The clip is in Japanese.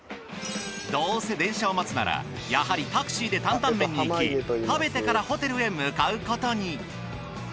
どうせ電車を待つならやはりタクシーでタンタンメンに行き食べてからホテルへ向かうことに。